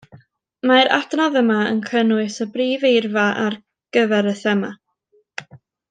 Mae'r adnodd yma yn cynnwys y brif eirfa ar gyfer y thema